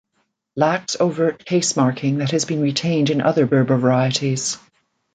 Lacks overt case-marking that has been retained in other Berber varieties.